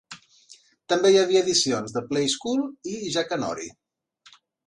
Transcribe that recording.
També hi havia edicions de "Play School" i "Jackanory".